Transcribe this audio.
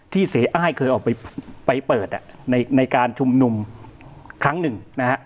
เสียอ้ายเคยออกไปเปิดในการชุมนุมครั้งหนึ่งนะฮะ